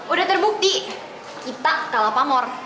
udah terbukti kita kalah pamor